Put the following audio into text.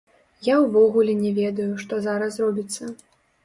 Я ўвогуле не ведаю, што зараз робіцца.